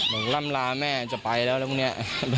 บอกลำลาแม่จะไปแล้วแล้ววันนี้